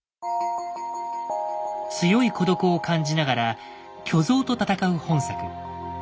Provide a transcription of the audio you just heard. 強い孤独を感じながら巨像と戦う本作。